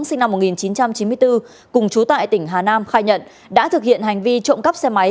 sinh năm một nghìn chín trăm chín mươi bốn cùng chú tại tỉnh hà nam khai nhận đã thực hiện hành vi trộm cắp xe máy